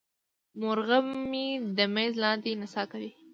مرغه مې د میز لاندې نڅا کوي.